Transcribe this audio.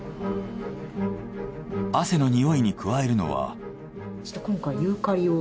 汗のにおいに加えるのは。